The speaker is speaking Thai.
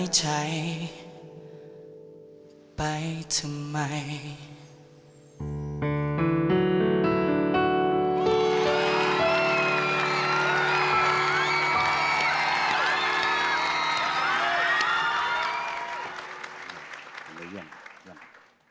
หายใจไปทำไม